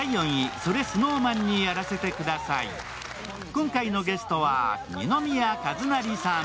今回のゲストは二宮和也さん。